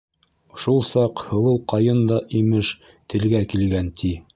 Шул саҡ һылыу Ҡайын да, имеш, телгә килгән, ти: